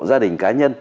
gia đình cá nhân